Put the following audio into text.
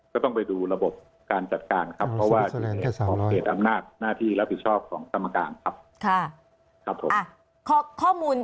ครับต้องไปดูรบบการจัดการเพราะว่ามีเหตุอำนาจหน้าที่และผิดชอบของสมการครับ